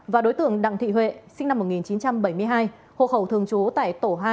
và đối tượng đặng thị huệ sinh năm một nghìn chín trăm bảy mươi hai hộ khẩu thường trú tại tổ hai